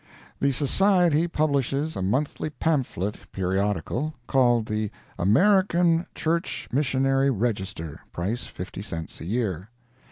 The Society publishes a monthly pamphlet periodical called the "American Church Missionary Register," price 50 cents a year.